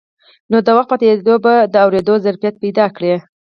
نو د وخت په تېرېدو به د اورېدو ظرفيت پيدا کړي.